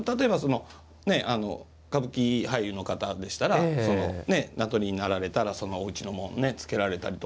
歌舞伎俳優の方でしたら名取になられたらそのおうちの紋を付けられたりと。